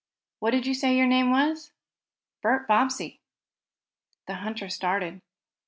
What did you say your name was?" "Bert Bobbsey." The hunter started.